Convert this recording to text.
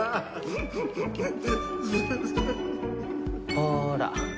ほら